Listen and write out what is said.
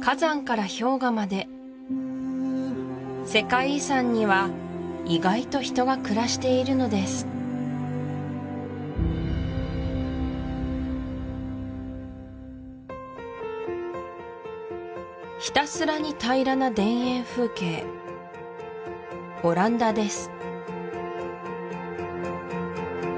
火山から氷河まで世界遺産には意外と人が暮らしているのですひたすらに平らな田園風景オランダです